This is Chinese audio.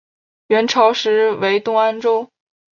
元朝时为东安州。